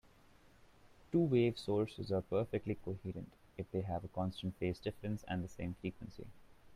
Two-wave sources are perfectly coherent if they have a constant phase difference and the same frequency.